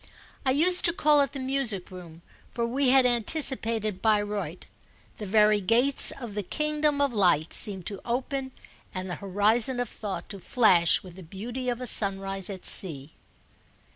I used to call it the music room, for we had anticipated Bayreuth. The very gates of the kingdom of light seemed to open and the horizon of thought to flash with the beauty of a sunrise at sea.